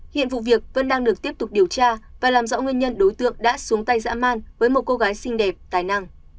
hiện vụ việc vẫn đang được tiếp tục điều tra và làm rõ nguyên nhân đối tượng đã xuống tay dã man với một cô gái xinh đẹp tài năng